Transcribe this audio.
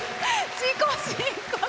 自己申告！